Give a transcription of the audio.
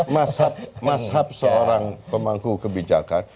masyarakat seorang pemangku kebijakan